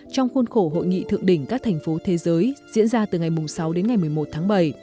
trong khuôn khổ hội nghị thượng đỉnh các thành phố thế giới diễn ra từ ngày sáu đến ngày một mươi một tháng bảy